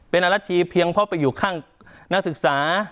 เป็นอรัชชีเพียงเพราะไปอยู่ข้างนักศึกษา